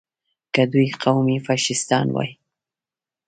که دوی قومي فشیستان وای.